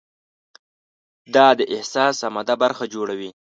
دا د احساس عمده برخه جوړوي.